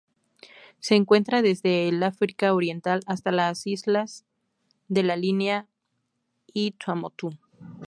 Se encuentra desde el África Oriental hasta las Islas de la Línea y Tuamotu.